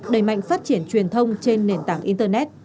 đẩy mạnh phát triển truyền thông trên nền tảng internet